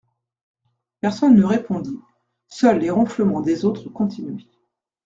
Personne ne répondit, seuls les ronflements des autres continuaient.